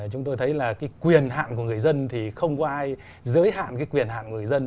chúng tôi thấy là cái quyền hạn của người dân thì không có ai giới hạn cái quyền hạn của người dân